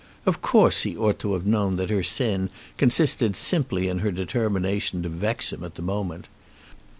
Of course he ought to have known that her sin consisted simply in her determination to vex him at the moment.